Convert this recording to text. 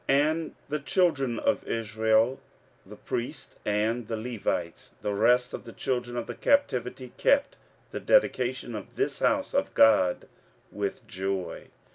15:006:016 And the children of Israel, the priests, and the Levites, and the rest of the children of the captivity, kept the dedication of this house of God with joy.